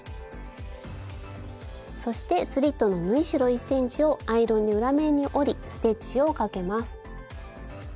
そしてスリットの縫い代１ｃｍをアイロンで裏面に折りステッチをかけます。